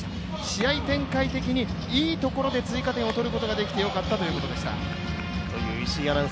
試合展開的に、いいところで追加点を取ることができてよかったということでした。